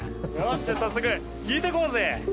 早速聞いてこうぜ。